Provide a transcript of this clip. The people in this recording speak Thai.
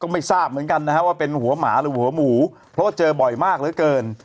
ไม่ทราบเหมือนกันนะฮะว่าเป็นหัวหมาหรือหัวหมูเพราะว่าเจอบ่อยมากเหลือเกิน